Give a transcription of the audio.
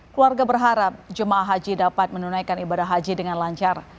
keluarga berharap jemaah haji dapat menunaikan ibadah haji dengan lancar